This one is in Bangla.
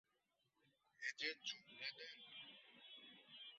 এ যে যুগ-বদল!